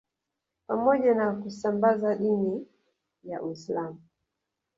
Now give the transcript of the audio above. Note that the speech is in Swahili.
Pamoja na kusambaza dini ya Uislamu